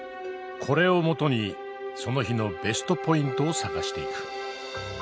これを基にその日のベストポイントを探していく。